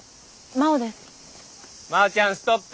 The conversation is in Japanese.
真央ちゃんストップ。